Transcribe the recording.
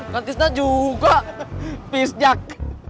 katisnya juga pisjak